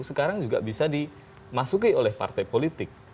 sekarang juga bisa dimasuki oleh partai politik